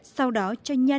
sau đó cho nhân và gạo nếp